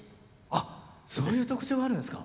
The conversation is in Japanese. あそういう特徴があるんですか。